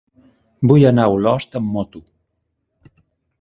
Vull anar a Olost amb moto.